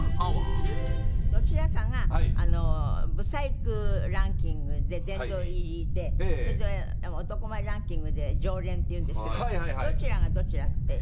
どちらかがブサイクランキングで殿堂入りでそれで男前ランキングで常連っていうんですけどどちらがどちらって？